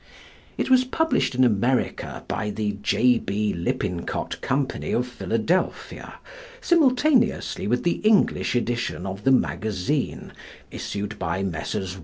It was published in America by the J.B. Lippincott Company of Philadelphia simultaneously with the English edition of the same magazine issued by Messrs.